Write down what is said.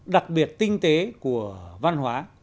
đặc biệt tinh tế của văn hóa